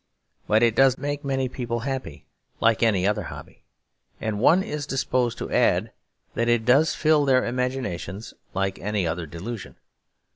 But it does make many people happy, like any other hobby; and one is disposed to add that it does fill their imaginations like any other delusion.